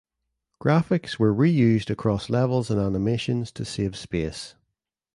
Graphics were reused across levels and animations to save space.